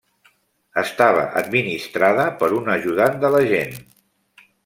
Estava administrada per un ajudant de l'agent.